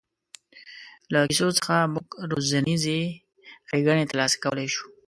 له کیسو څخه موږ روزنیزې ښېګڼې تر لاسه کولای شو.